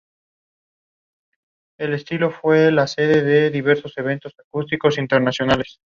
Normalmente los procesadores de texto pueden configurarse para generar documentos de esta manera.